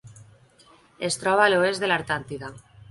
Es troba a l'oest de l'Antàrtida.